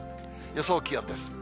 予想気温です。